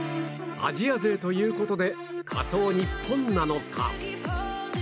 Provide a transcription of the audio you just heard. アジア勢ということで仮想日本なのか。